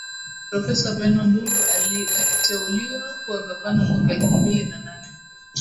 profesa benno ndulu aliteuliwa kuwa gavana mwaka elfu mbili na nane